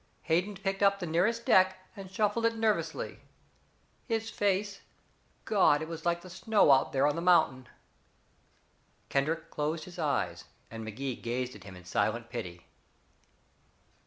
Hayden picked up the nearest deck, and shuffled it nervously. His face God, it was like the snow out there on the mountain." Kendrick closed his eyes, and Magee gazed at him in silent pity.